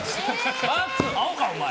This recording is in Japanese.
アホかお前！